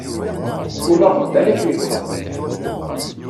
Kul aḍebbal akken ittḍebbil.